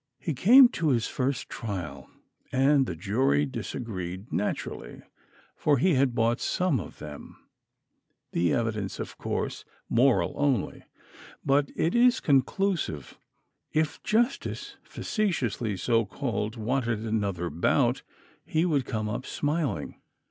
He came to his first trial, and the jury disagreed: naturally, for he had bought some of them. The evidence is, of course, moral only, but it is conclusive. If justice, facetiously so called, wanted another bout, he would "come up smiling."